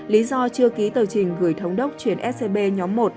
lý do chưa ký tờ trình gửi thống đốc chuyển scb nhóm một